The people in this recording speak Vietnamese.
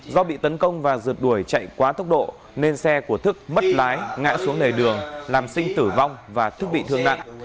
do bị tấn công và rượt đuổi chạy quá tốc độ nên xe của thức mất lái ngã xuống lề đường làm sinh tử vong và thức bị thương nặng